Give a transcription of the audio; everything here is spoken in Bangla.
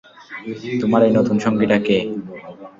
তোমার এই নতুন সঙ্গীটা কে?